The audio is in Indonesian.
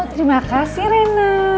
terima kasih rena